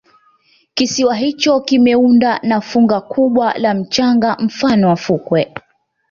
kisiwa hicho kimeunda na fungu kubwa la mchanga mfano wa fukwe